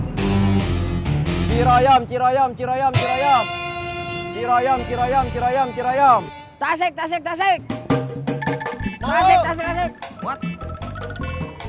kiraiyam kiraiyam kiraiyam kiraiyam kiraiyam kiraiyam kiraiyam kiraiyam tasik tasik tasik kabo